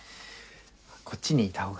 こっちにいたほうが。